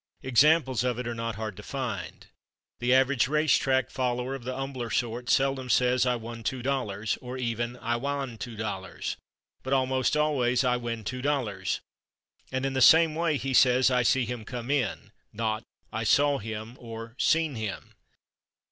Examples of it are not hard to find. The average race track follower of the humbler sort seldom says "I /won/ $2," or even "I /wan/ $2," but almost always "I /win/ $2." And in the same way he says "I /see/ him come in," not "I /saw/ him" or "/seen/ him."